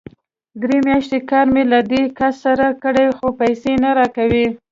درې مياشتې کار مې له دې کس سره کړی، خو پيسې نه راکوي!